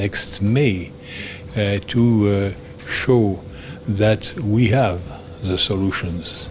untuk menunjukkan bahwa kita memiliki solusi